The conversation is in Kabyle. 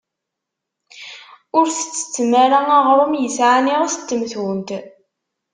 Ur tettettem ara aɣrum yesɛan iɣes n temtunt.